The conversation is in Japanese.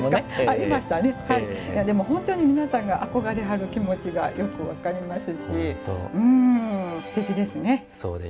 本当に皆さんが憧れはる気持ちがよく分かりますしすてきですね。